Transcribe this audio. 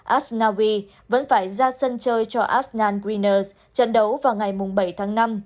asnawi vẫn phải ra sân chơi cho asnan greeners trận đấu vào ngày bảy tháng năm